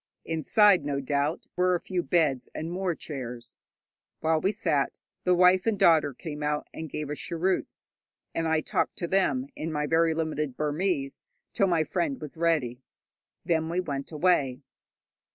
Inside, no doubt, were a few beds and more chairs. While we sat, the wife and daughter came out and gave us cheroots, and I talked to them in my very limited Burmese till my friend was ready. Then we went away.